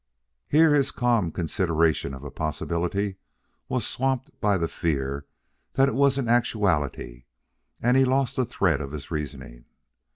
Here, his calm consideration of a possibility was swamped by the fear that it was an actuality, and he lost the thread of his reasoning.